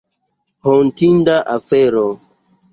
Hontinda afero.